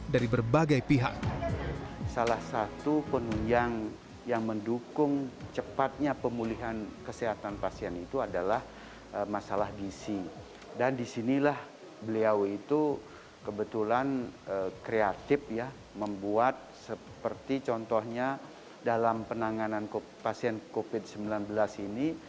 dan disinilah beliau itu kebetulan kreatif membuat seperti contohnya dalam penanganan pasien covid sembilan belas ini